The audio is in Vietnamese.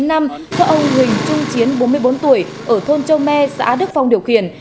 do ông huỳnh trung chiến bốn mươi bốn tuổi ở thôn châu me xã đức phong điều khiển